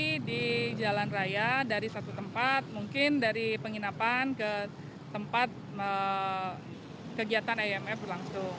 jadi di jalan raya dari satu tempat mungkin dari penginapan ke tempat kegiatan iomf langsung